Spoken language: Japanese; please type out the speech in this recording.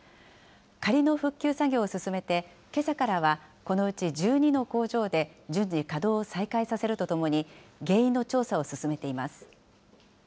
仮の復旧作業を進めて、けさからはこのうち１２の工場で順次、稼働を再開させるとともに原因の調査を進めています。